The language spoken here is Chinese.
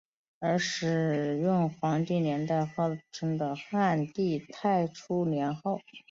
而使用皇帝年号纪年则始自汉武帝太初年号。